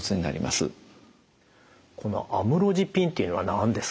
このアムロジピンというのは何ですか？